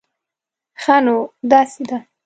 ښه، نو داسې ده